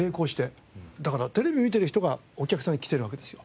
だからテレビ見てる人がお客さんで来てるわけですよ。